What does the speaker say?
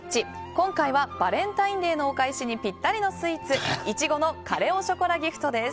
今回はバレンタインデーのお返しにぴったりのスイーツ苺のカレ・オ・ショコラＧＩＦＴです。